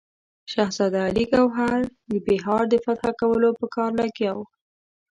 شهزاده علي ګوهر د بیهار د فتح کولو په کار لګیا وو.